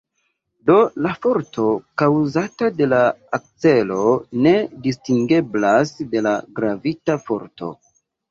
Do la forto kaŭzata de la akcelo ne distingeblas de la gravita forto.